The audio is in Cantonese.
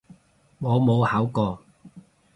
我冇考過